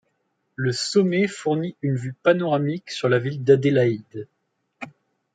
Le sommet fournit une vue panoramique sur la ville d'Adélaïde.